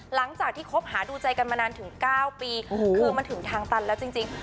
หลังจากที่คบหาดูใจกันมานานถึง๙ปีคือมันถึงทางตันแล้วจริง